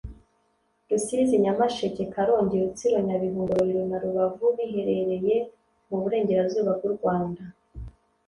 rusizi nyamasheke karongi rutsiro nyabihu ngororero na rubavu biherereye muburengera zuba bw u rwanda